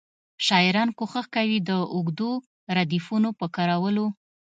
شاعران کوښښ کوي د اوږدو ردیفونو په کارولو.